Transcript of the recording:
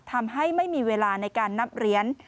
ทำให้ไม่มีเวลาในการนับเหรียญ